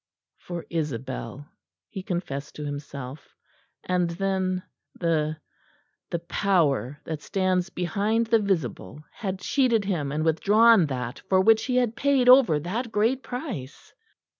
For Isabel, he confessed to himself; and then the the Power that stands behind the visible had cheated him and withdrawn that for which he had paid over that great price.